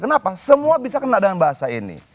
kenapa semua bisa kena dengan bahasa ini